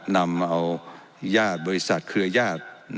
นำเอายาดบริษัทเครือยาด